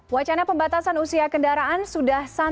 wacana pembatasan usia kendaraan sudah santar terakhir